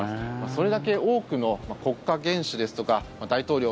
それだけ多くの国家元首ですとか大統領